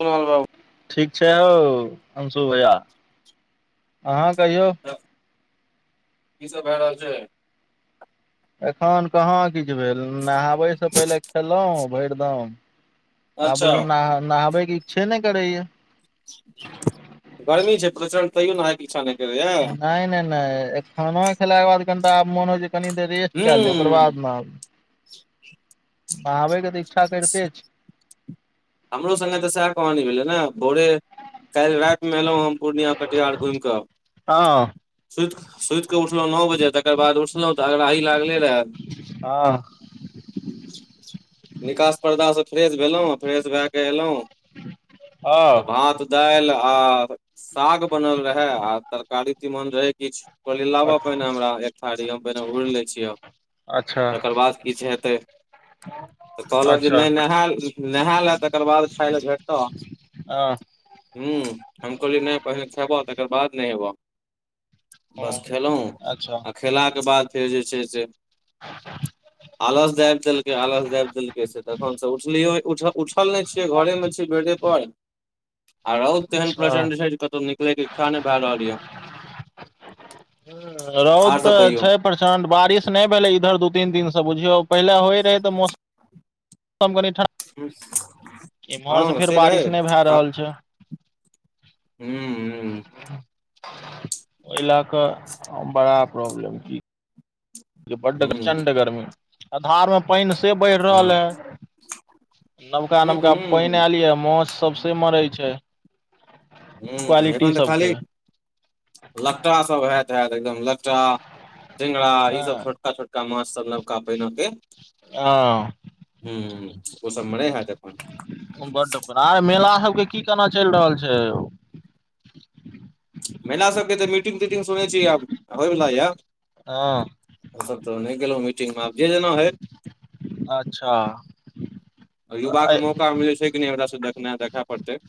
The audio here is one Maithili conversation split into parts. कोनल रहाबू [inaudible] ठीक छै औ अंशु भैया अहाँ कहियौ [inaudible] की सब भए रहल छै एखन कहाँ किछ भेल नहाबैसँ पहिले खेलोओ भेरदम आब अच्छा बुझीओ नहा नहाबैके इच्छे नय करैयै गरमी छै प्रच्ड तयौ नहाय के इच्छा नई नइ नइ नय एक खाना खेला के बाद कनिटा आब मोन होइ छै कनि देर रेस्ट हूं कएलिय ओकर बाद नहाबू नहाबैके तऽ इच्छा करिते छै हमरो सगे तऽ सेह कहानी भेलै ने भोरे काईल राईत मे एलहुँ हम पूर्णिया कटिहार घुमि कऽ हँ सुइत सुइतकऽ उठलहुँ नओ बजे तकर बाद उठलहुँ तऽ अगराही लागले रहए हँ [unintelligible] निकास पर्दाा से फ्रेश भेलहुँ फ्रेश भए क एलहुँ [inaudible] तऽ हँ भात दालि आ साग बनल रहै आ तरकारी तीमन रहै किछ कहलिय लाबऽ पहिने हमरा एक थारी हम पहिने हूड़ ले छियै अच्छा तकर बाद किछु हेतै त कहलब जे अच्छा नहि नहायल नहा ले तकर बाद खाय ल भेटत हँ हम कहलियै नहि पहिने खेबह तकर बाद नहि एबह बस हँ खयेलहुँ अच्छा आ खयलाके बाद फेर जे छै स आलस दाबि देलकै आलस दाबि देलकै से तखन से उठलियो। उठल नहि छियै घरेमे छियै बेडे पर। आ रहुत एहन अच्छा प्रचंड छै जे कतहु निकले के इच्छा नहि भए रहल य रौद आर सब तऽ कहियौ छै प्रचंड बारिश नहि भेलै इधर दू तीन दिन से बुझियौ पहिले होय रह त मौम मौस कनि ठड इमहर से हँ फेर बारिश रहै नहि भए रहल छै। [inaudible] हू। ओहि लए क बड़ा प्रॉब्लम क बड़ हूँ चंड गर्मी आधार मे पानि से बढ़ि रहल हँ है नवका हूँ नवका पानि हूँ आयल या माछ सभसे मरै छै हू क्वालिटी एखन तऽ खाली सबके ल सभ होत हत एकदम टा टेगरा हँ ई सभ छोटका छोटका माछ सभ नबका पहिने के हा ह ओ सभ मरै ह जखन बड्ड परा मेला सभके कि केना चलि रहल छै। महिला सभके त मीटिंग तीटिंग सुनै छी आब होयवला यए ह। सभ तऽ नहि गेलहुं मीटिंग मे आब जेना हय अच्छा। युवाके मौकामे जे छै कि नहि हमरासँ देखनाइ देखय पड़तै।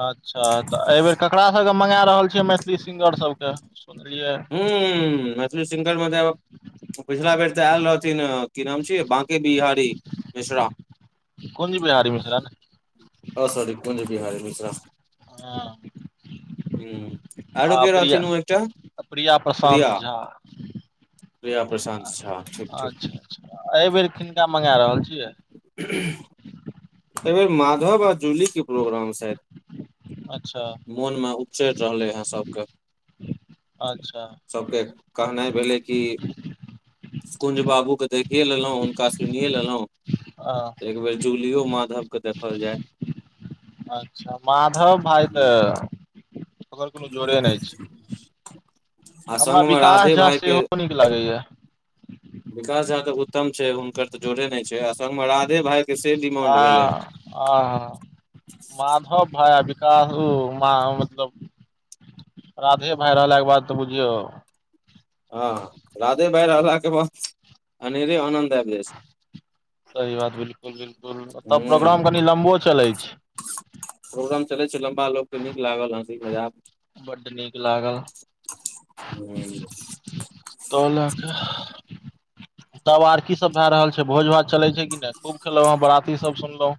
अच्छा तऽ एहिबेर ककास सभके मगा रहल छियै मैथिली सिंगर सभके सुनलियै हू मैथिलसलू सिंगर म पिछला बेर तऽ आयल रहथिन कि नाम छियै बाँके बिहारी मिश्रा कोन ची बिहारी मिश्रा ने सॉरी कोुनज बिहारी मिश्र ह आरो क प्रिया रथिन ओ एकटा प्रिया प्रशान्त रिया झा प्रिया प्रशान्त झा ठीक अच्छा ठीक। एहि बेर किनका मगा रहल छियै ह। एहि बेर माधव आ जूली के प्रोग्राम छथि अच्छा मोनमे उपचरि रहलै हँ सभके अच्छा सभके कहनाइ भेलै कि। कुंज बाबूके देखिए लेलहुँ हुनका सुनिए लेलहुँ हैं एकबेर जूलियो माधव के देखल जाय। अच्छा माधव भाइ त ओकर कोनो जोरे नहि अछि आ हमरा संग मे विकास राधे झ भाई के सेहो लागैयै विकास झा तऽ उत्तम छै हुनकर तऽ जोड़े नहि छै सगमे राधे भाय आ आ माधव भइा विकास मतलब। राधे भए रहलाके बाद त बुझियौ हँ राधे भाय रहलला के अरे अनन्त स बात बिल्कूल बिल्कूल तब हूँ प्रोग्राम कनि लम्बो चलै छै प्रोग्राम चले छै लम्बा लोग के नीक लागल ह ई मजा बड्ड नीक लागल हम लऽ कऽ तब आर की सभ भऽ रहल छै भोज भात चले छै कि नहि खूब खेलौ हे बराती सब सुनलहूँ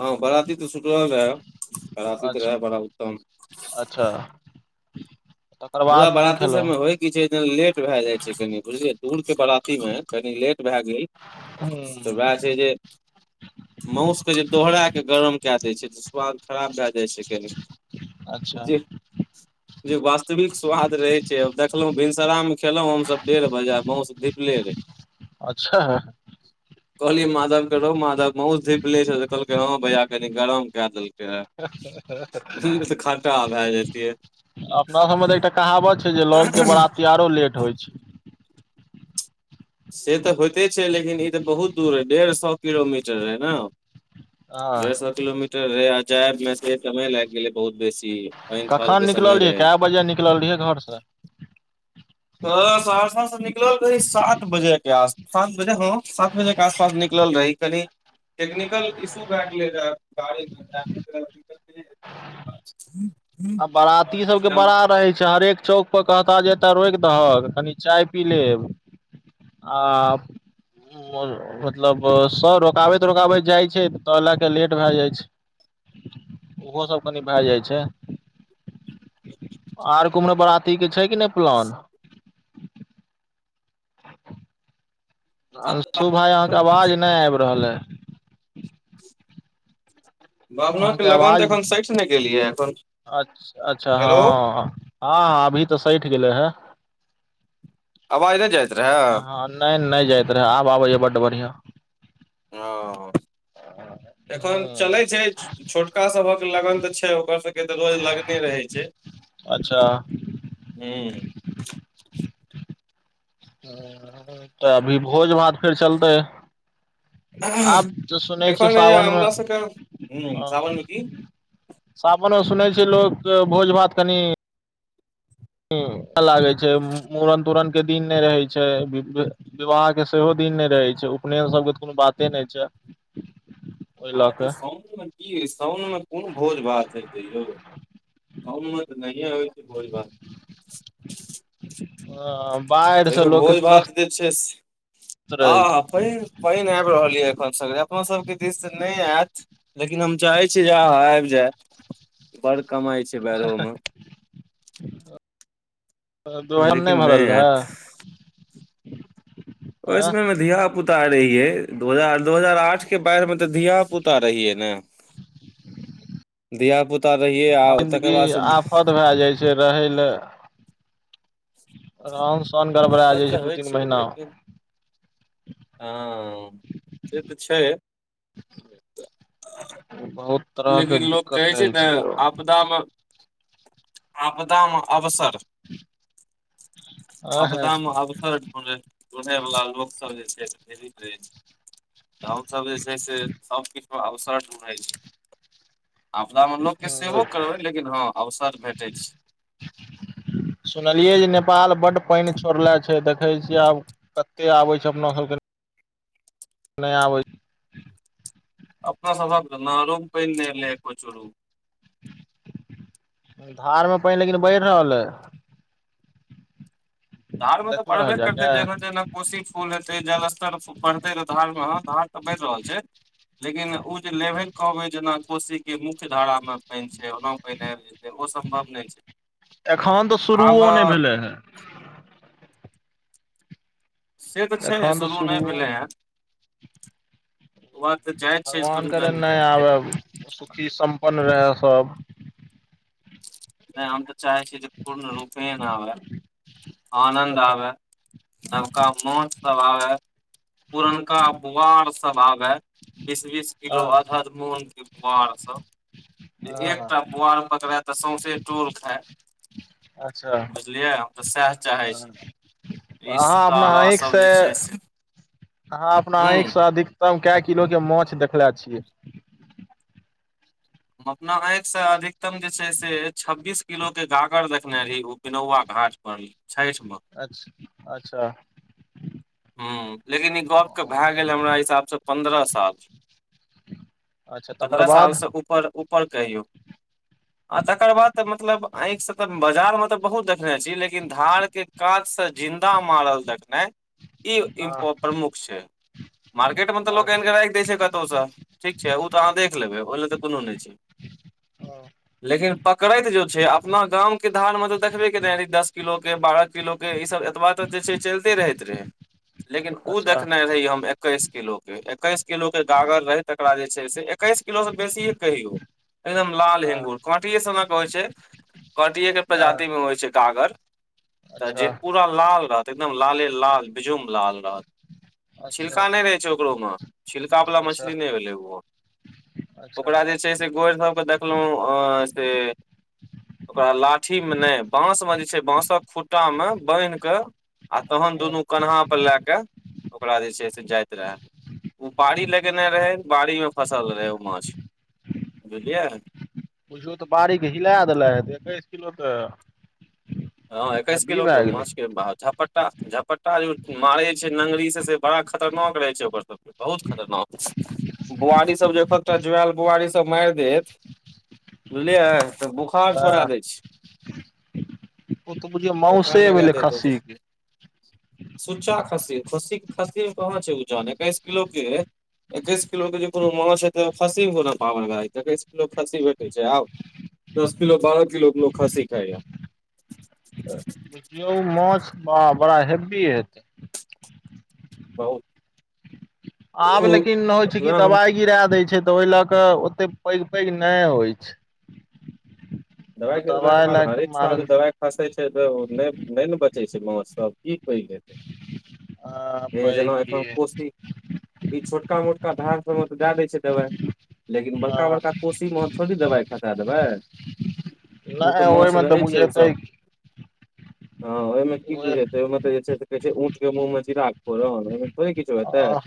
ह बराती तऽ सुतरल रहै बराती तऽ अच्छा रहै बड़ा उत्तम अच्छा तकर बाद वएह नहि बराती सभ खेलहुँ मे होय की छै जे लेट भै जाय छै कनिए बुझलियै दूर के बराती मे कनि लेट भै गेल। हम तऽ वएह छै जे माउस के जे दोहरा के गरम कए दै छै स सुआद खराब भए जाइ अच्छा छै जे मे वास बड नीक स्वाद रहे छै देखलो भिनसरा मे खेलों हम सब डेढ़ बजे अ माउस धीपले रहे अच्छा कहलियै माधव के रौ मधव मउस धीपले छौ त कहलकै ह भैया कनि गरम कै देलकै सैहे हम नै त खाटा भए जैतिये अपना सभमे त एकटा कहावत छै जे लग के बराती आरो लेट होइ छै से तऽ होइते से छै लेकिन ई त बहुत दूर रहए डेढ़ सए किलोमीटर रहए हँ ने किलोमीटर रहै आ जायमे से समय लागि गेलै बहुत बेसी। पानि थाल के कखन समय निकललियै रहे कए बजे निकलल रहियै घरसँ। तऽ सहरसा से निकल रही सात बजे के आस पास सात बजे हँ सात बजे के आसपास निकल रही कनी टेक्निकल इशू भए गेलै रहै गाड़ी कऽ [unintelligible] आ बराती सभके बड़ा रहे छै हरेक चौक पर कहताह जे एतय रोकि दहक कनि चाय पी लेब आ। मन मतलब सभ रुकाबैत रुकाबैत जाइ छै त लए के लेट भए जाइ छै ओहो सभ कनि भए जाइ छै आर कुमरो बरात। तीके छै कि नहि प्लान। अंशठु भाय अहाँकेँ आवाज नहि आबि रहल ऐ बाबना के अहाँकेँ लगन आवाज तऽ एखन सठि ने गेलियै एखन अच्छा अच्छा हेलो हँ ह अभी तऽ सठि गेलै हे अवाज नहि जाइत- रहए हँ नहि नहि जाइत रहै आब आबैये बड्ड बढ़िया हँ एखन चलै छै छोटका सभक लगन तऽ छै ओकर सभके तऽ रोज लगने रहै छै। अच्छा। हू त अभी भोज भात फेर चलतै आब तऽ सुनै छियै एखन हइया सावनमे हमरा सभके सावनमे कि सावनमे सुनै छि लोक भोज भात कनि लागै छै मम मूड़न तूड़नक के दिन नहि रहै छै ब विवाहके सेहो दिन नहि रहै छै उपनयन सभके त कोनो बाते नहि छै। ओहि हँ लऽ त के साउनमे की साउनमे कोन भोज भात हेतै यौ साउन मे त नहिए होइ छै भोज भात हा बाढ़ि से लोक तस। विष आ। पानि आबि रहल यऽ एखन सगरे अपना सभके दिस त नहि आयत। लेकिन हम चाहै छियै जे अहाँ आबि जाय बड़ कमाइ छै बाढ़ोमे। दुहाइन नहि लेकिन भरल रहै। आयत ओहि आँ समय मे धिया पुता रहिये दू हजार दू हजार आठ के बाढ़िमे तऽ धिय पुता रहियै न धिया पुता रहियै आ जिन्दगी तकर बाद से आफत भए जाइ छै रहय ल राम सन गड़बड़ा आफत जाइ छै तऽ दू होइ तीन महिना। ह से तऽ छै। बहुत तरह के लेकिन लोक दिक्कत कहै छै रहै ने यौ आपदा मे आपदा मे अवसर आंहा आपदा मे अवसर ढ़ुनय वला लोकसभ जे छै से ढ़ेरिक रहै छै तऽ हमसभ जे छै से सभकिछ अवसर ढ़ूढ़य छै। आपदा मे लोकके सेबो करबै लेकिन हँ अवसर भेटै छै। सुनलियै जे नेपाल बड्ड पानि छोड़ले छै देखै छियै आब। कतेक आबै छै अपना सभके नहि आबैत छै। अपना सभहक तऽ नालोमे पानि नहि एलै एको चुरु। धार मे पानि लेकिन बढ़ रहल ये। धार मे तऽ देखलो है बढ़बे करतै जाके जेना जेना कोशी फूल हेतै जल स्तर बढ़तै त धार मे ह धार तऽ बढ़ि रहल छै। लेकिन ओ जे लेवल कहबे जेना कोशी के मुख्य धारा मे पानि छै ओना पानि आबि जेतै ओ सम्भव नहि छै आब ह से तऽ छै एखन तऽ शुरू नहि शुरुओ भेलै हे जाइ छै भगवान शुरू करे भेलै नहि हेँ आबै लेकिन सुखी सम्पन्न रहै सभ नहि आ हम त चाहै छै जे पूर्ण रूपेन आबै। आनन्द आबय नबका माछ सभ आबए पुरनका बोआर सभ आबए बीस बीस किलो हँ अधद मन के बुआर सभ जे हँ एकटा पुआर पकड़ाय तऽ सौसे टोल खाए। अच्छा ह तऽ सएह चाहै छी तऽ ई अहाँ अपना साला आँखिस सब जे छै से अहाँ अपना हूँ एकंख से हम अधिकतम कऽ किलो के माछ देखले छियै। हम अपना आँखिसँ अधिकतम जे छै से छब्बीस किलो के गागर देखने रही पिनौआ घाट पर छठ मे। अच्छा। ह लेकिन ई गपके भए गेल हमरा हिसाबसँ पन्द्रह साल। अच्छा तकर पन्द्रह सालसँ ऊपर ऊपर कहियौ। ह। आ तकर बाद तऽ मतलब आंखि से तऽ बाजार मे त बहुत देखने छी लेकिन धार के कात से जिन्दा मारल देखनाइ ई हँ प्रमुख छै मार्केट मे तऽ हँ लोक एन के राख दे छै त कतोअ से ठीक छै ओ तऽ अहाँ देख लेबै ओहि लऽ तऽ कोनो नहि छै लेकिन पकड़ैत जो छै अपना गाम के धार मे त देखबे के ने दस किलो के बारह किलो क ई सभ एतबा तऽ जे छै चलते रहैत रहे। लेकिन ओ अच्छा देखने रहहि हम एकैस किलोक के एकैस किलोक के गागर रहै तकरा जे छै स एकैस किलोसँ बेसी कहियौ एकदम लाल हँ अ्ंगूर काँटिए स होइ छै कांटिये के हँ प्रजाति मे होइ छै गागर तऽ जे अच्छा पूरा ल लाल रहत एकदम लाले लाल बिजुम लाल रहत अच्छा छिलका नहि रहै छै ओकरो म छिलका वाला अच्छा मछली नहि भेलै ओ अच्छा ओकरा जे सभके देखलहुँ ओकरा लाठी मे नहि बांस मे जे छै बांसक खुट्टा मे बान्हि के आ तखन हँ दुनू कन्हापर लए क ओकरा जे छै से जाइत रहय। ओ बाड़ी लगेने रहै बाड़ीमे फँसल रहै ओ माछ बुझलियै। बुझियौ त बाड़ीके हिला देलथि एकैस किलो तऽ। ह एकैस हेवी किलो के भए गेलै माछ के झापट झपट्टा जे मारे छै नंगरी से बड़ा खतरनाक रहे छै ओकर सभ बहुत खतरनाक बुआरी सभ जे एखकटा जुआइल बुआरी सभ मारि देत बुझलियै तऽ बोखार हँ छोड़ा दै छै। ओ तऽ बुझियो बोखार मौंसे लगा भेलै देत ओ जे खस्सी क सुच्चा खस्सी खस्सी खस्सी मे कहाँ छै ओजान एकैस किलो क एकैस किलो के जे कोनो माछ हेतै तऽ खस्सी एकैस किलो के खस्सी भेटै छै आब दश किलो बारह किलो के लोक खस्सी खाइ [unintelligible] देखियौ माछ बड़ा हेवी हेतै बहुत। आब ओ लेकिन होइत छै कि वएह हम दबाइ गिरा दैत छै तँ ओहि ल के ओते पैघ पैघ नहि होइ छै। दवाइ गिरेला के दबाइ बाद लए कऽ हरेक साल मारल दवाई फसै छै तऽ नहि ने बचै छै माछसभ कि पैघ हेतै अ पैकी [unintelligible] ई छोटका मोटका धार सभमे तऽ दए दय छै दवाई लेकिन ह बड़का बड़का कोशीमे अहाँ थोड़ी दवाइ खसा देबै। ओ तऽ नहि माछ ओहिमे तऽ रहै छैय ओ बुझेतै सभ हँ ओहिमे कि बुझेतै ओहिमे तँ जे कहै छै ऊँटके मुँहमे जीराक फोरन थोड़े किछु हेतै आ,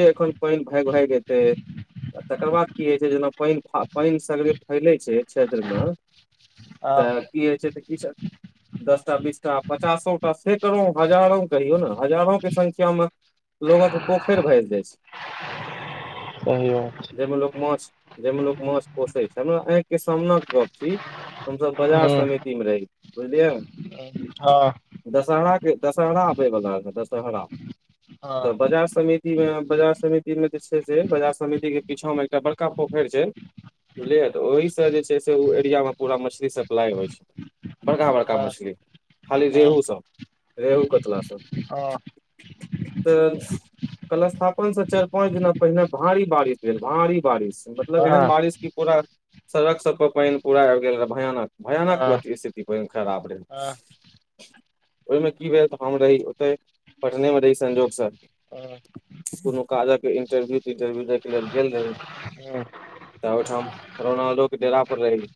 जे एखन पानि भागि भागि एतै तकरबाद कि होइ छै जेना पैन पैन सगरे फैलइ छैय क्षेत्रमे आ, तऽ कि होइ छै तऽ कि छै दसटा बीसटा पचासोटा सँ कहू ने हजारो कहियो न हजारोक संख्या मे लोगक पोखरि भरि जाइ छै। सही बात जाहिमे लोग माछ जाहिमे लोक माछ पोषैत छै से हमरा आँखि के सामनेक गप छै। हम सभ बाजार हँ समितिमे रही बुझलियै हँ हँ हँ दशहरा के दशहरा आबै बला रहै दशहरा हँ त बाजार समिति मे बाजार समिति मे जे छै से बाजार समिति के पीछा मे एकटा बड़का पोखरि छै बुझलियै त ओहीसँ जे छै से ओहि एरियामे पूरा मछलीक सप्लाइ होइ छै बड़का हँ बड़का हँ मछली खाली रेहू सभ रेहू कतला सभ ह [unintelligible] कलशथापन से चारि पाँच दिना पहिने भारी बारिश भेल भारी बारिश मतलब एहन हँ बारिश कि पूरा सड़क सभपर पैनि पूरा आबि गेल रहै भयानक भयानक स्थिति ओइदिन खराब रहे ओहिमे कि भेल तऽ हम रही ओते पटने मे रही संजोग स कोनो काज के इंटरव्यू तिंटरव्यू दय के लेल गेल रही हँ तऽ ओहिठाम रोनाल्डो डेरापर रही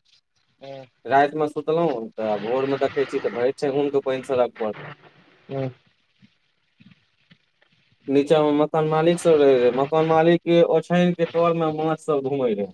हँ राति मे सुतलहुँं तऽ भोर मे देखैत छी तऽ भरि ठेहुन के पैइन सड़क पर हँ नीचा मे मकान मालिक सभ रहेत रहे मकान मालिक के ओछाइन के तोर मे माछ सभ घूमेय रहै